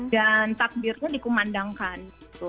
dan takbirnya dikumandangkan